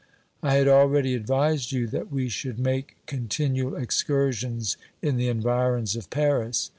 I had already advised you that we should make con tinual excursions in the environs of Paris.